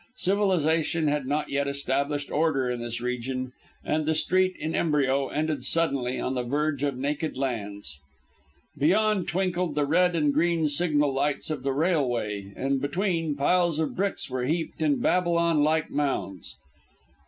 Civilisation had not yet established order in this region, and the street in embryo ended suddenly on the verge of naked lands. Beyond twinkled the red and green signal lights of the railway, and between, piles of bricks were heaped in Babylon like mounds.